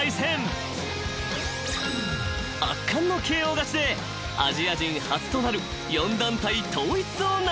［圧巻のＫＯ勝ちでアジア人初となる４団体統一を成し遂げ］